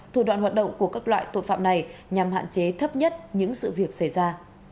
thủ đoạn hoạt động của các loại tội phạm này nhằm hạn chế thấp nhất những sự việc xảy ra